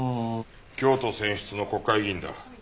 京都選出の国会議員だ。